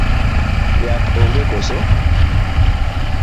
Yath onge koso?